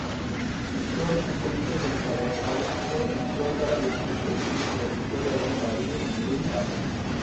ঈশ্বর উপনিষদ অনুসারে, মহাবিশ্ব ঈশ্বর দ্বারা বিস্তৃত, যিনি এর ভিতরে এবং বাইরে উভয়ই আছেন।